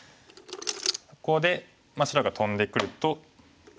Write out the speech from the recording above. ここで白がトンでくると。